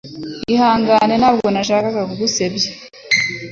Ihangane, ntabwo nashakaga kugusebya.